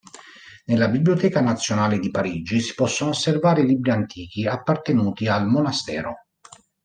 Nella Biblioteca Nazionale di Parigi si possono osservare libri antichi appartenuti al monastero.